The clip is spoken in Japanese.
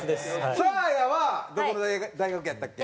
サーヤはどこの大学やったっけ？